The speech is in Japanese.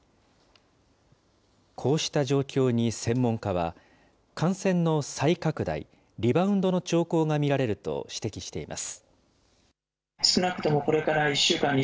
こうした状況に専門家は、感染の再拡大、リバウンドの兆候が見られると指摘しています。